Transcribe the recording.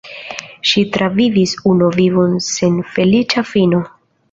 Ŝi travivis unu vivon sen feliĉa fino.